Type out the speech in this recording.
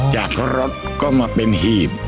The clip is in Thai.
จากรถก็มาเป็นหีบ